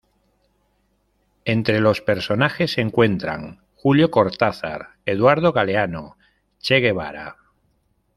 Entre los personajes se encuentran: Julio Cortázar, Eduardo Galeano, Che Guevara.